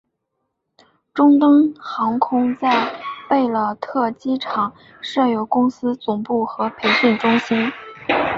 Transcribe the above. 中东航空在贝鲁特机场设有公司总部和培训中心。